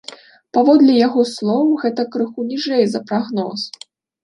Паводле яго слоў, гэта крыху ніжэй за прагноз.